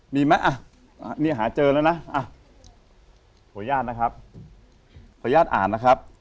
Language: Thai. มีมั้ยนี่หาเจอแล้วนะโทย่าดนะครับโทย่าดอ่านนะครับ